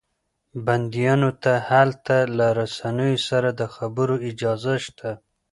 بنديانو ته هلته له رسنيو سره د خبرو اجازه شته.